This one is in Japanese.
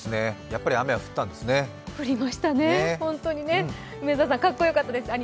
やっぱり雨は降ったんですね。